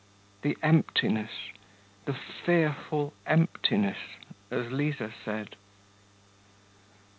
'The emptiness, the fearful emptiness!' as Liza said.